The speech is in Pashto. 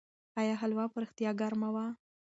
آیا هلوا په رښتیا ګرمه وه؟